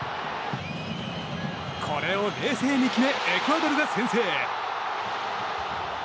これを冷静に決めエクアドルが先制！